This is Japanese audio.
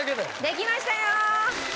できましたよ！